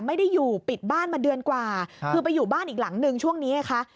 ไม่ได้อยู่ปิดบ้านมาเดือนกว่าคือไปอยู่บ้านอีกหลังนึงช่วงนี้ไงคะ